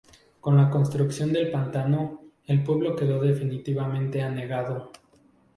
Con la construcción del pantano, el pueblo quedó definitivamente anegado.